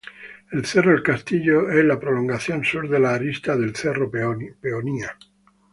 El Cerro El Castillo es la prolongación sur de la arista del Cerro Peonía.